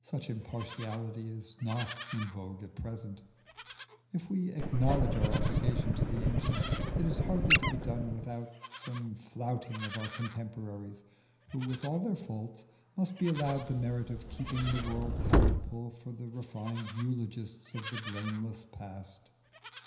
Such impartiality is not in vogue at present. If we acknowledge our obligation to the ancients, it is hardly to be done without some flouting of our contemporaries, who with all their faults must be allowed the merit of keeping the world habitable for the refined eulogists of the blameless past.